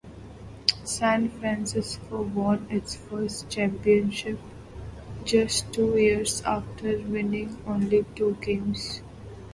San Francisco won its first championship just two years after winning only two games.